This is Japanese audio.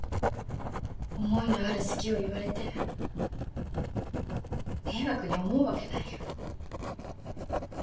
思いのある「好き」を言われて迷惑に思うわけないよ。